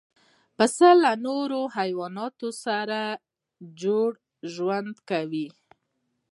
پسه له نورو حیواناتو سره جوړ ژوند کوي.